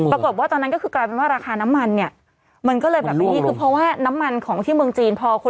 ประกบว่าตอนนั้นก็คือการเป็นว่าราคาน้ำมันเนี่ย